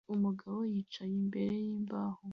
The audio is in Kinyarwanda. Umugabo wicaye imbere yimbaho